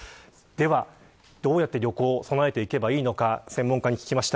では、どうやって旅行に備えていけばいいのか専門家に聞きました。